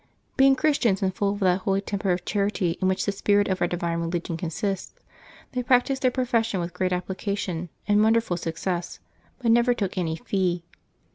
Being Christians, and full of that holy temper of charity in which the spirit of our divine religion consists, they practised their pro fession with great application and wonderful success, but never took any fee.